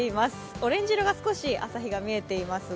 オレンジ色の朝日が少し見えていますが。